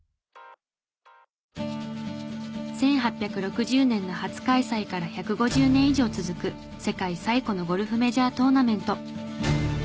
１８６０年の初開催から１５０年以上続く世界最古のゴルフメジャートーナメント。